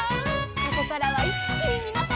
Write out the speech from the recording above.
「ここからはいっきにみなさまを」